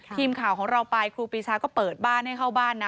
ทีมข่าวของเราไปครูปีชาก็เปิดบ้านให้เข้าบ้านนะ